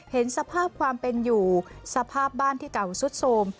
เห็นสภาพความเป็นอยู่สภาพบ้านที่เก่าสุดโสม